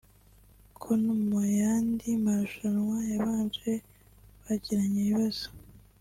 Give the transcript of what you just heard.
ko no mu yandi marushanwa yabanje bagiranye ibibazo